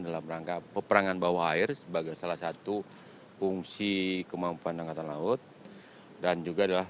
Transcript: dalam rangka peperangan bawah air sebagai salah satu fungsi kemampuan angkatan laut dan juga adalah